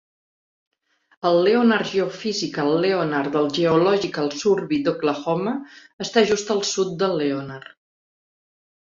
El Leonard Geophysical Leonard del Geological Survey d'Oklahoma està just al sud de Leonard.